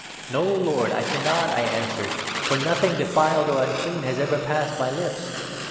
'No, Lord, 8 I cannot,' I answered, ' for nothing ' defiled ' or ' unclean ' has ever passed my lips.'